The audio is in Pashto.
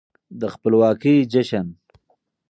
د خپلواکۍ جشن